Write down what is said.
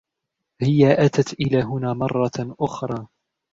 هىَ أتت إلى هُنا مرةً أخرى.